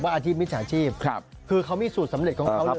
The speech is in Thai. อาชีพมิจฉาชีพคือเขามีสูตรสำเร็จของเขาเลย